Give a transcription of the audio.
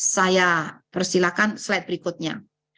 saya persilahkan slide berikutnya